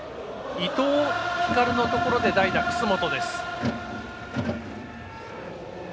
伊藤光のところで代打、楠本。